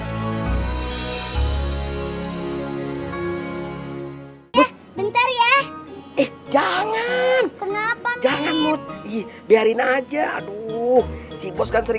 hai hai hai butuh bentar ya eh jangan kenapa jangan muti biarin aja aduh si bos kan sering